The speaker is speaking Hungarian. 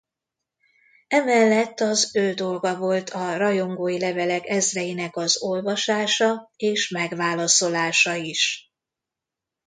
Emellett az ő dolga volt a rajongói levelek ezreinek az olvasása és megválaszolása is.